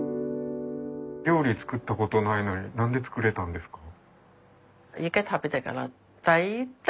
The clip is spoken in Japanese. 料理作ったことないのに何で作れたんですか？